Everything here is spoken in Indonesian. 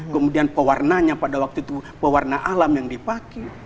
kemudian pewarnanya pada waktu itu pewarna alam yang dipakai